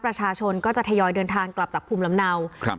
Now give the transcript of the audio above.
ประชาชนก็จะทยอยเดินทางกลับจากภูมิลำเนาครับ